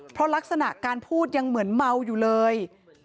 เพราะลักษณะการพูดยังเหมือนเมาอยู่เลย